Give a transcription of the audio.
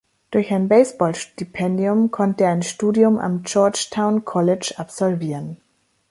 Durch ein Baseball-Stipendium konnte er ein Studium am Georgetown College absolvieren.